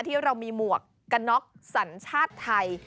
ที่เรามีหมวกกันน็อกสัญชาติไทย